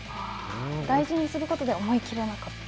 大事にすることで思い切りがなかった？